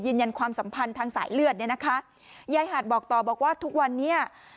ยืนยันความสัมพันธ์ทางสายเลือดเนี่ยนะคะยายหาดบอกต่อบอกว่าทุกวันนี้